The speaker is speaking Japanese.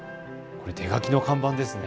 手書きの看板ですね。